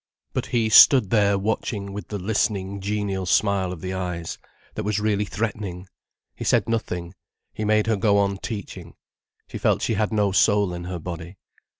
But he stood there watching with the listening genial smile of the eyes, that was really threatening; he said nothing, he made her go on teaching, she felt she had no soul in her body.